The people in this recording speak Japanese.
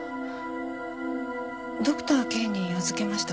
ドクターＫに預けました。